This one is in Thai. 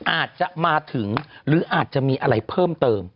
อาจจะมาถึงหรืออาจจะมีอะไรเพิ่มเติม